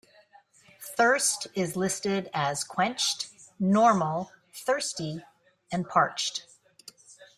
Thirst is listed as "Quenched", "Normal", "Thirsty", and "Parched".